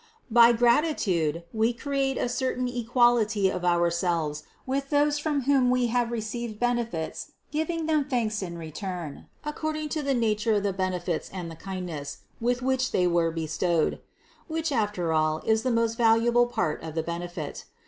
By grati tude we create a certain equality of ourselves with those from whom we have received benefits giving them thanks in return, according to the nature of the benefits and the kindness, with which they were bestowed (which after all is the most valuable part of the benefit).